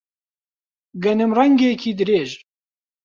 گەنم ڕەنگێکی درێژ